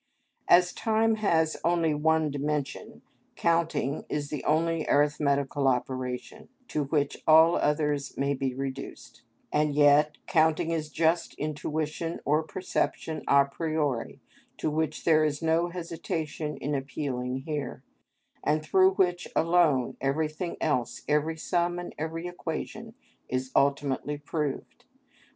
As time has only one dimension, counting is the only arithmetical operation, to which all others may be reduced; and yet counting is just intuition or perception a priori, to which there is no hesitation in appealing here, and through which alone everything else, every sum and every equation, is ultimately proved.